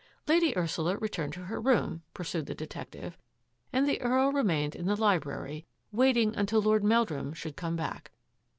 " Lady Ursula returned to her room," pursued the detective, " and the Earl remained in the li brary, waiting until Lord Meldrum should come back.